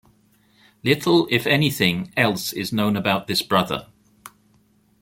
Little, if anything, else is known about this brother.